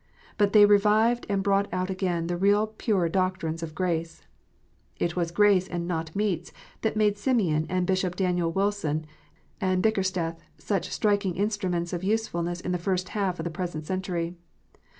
But they revived and brought out again the real pure doctrines of grace. It was " grace, and not meats," that made Simeon and Bishop Daniel Wilson and Bickersteth such striking instruments of usefulness in the first half of the present century.